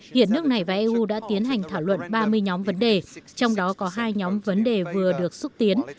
hiện nước này và eu đã tiến hành thảo luận ba mươi nhóm vấn đề trong đó có hai nhóm vấn đề vừa được xúc tiến